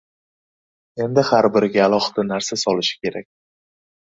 endi har biriga alohida narsa solishi kerak.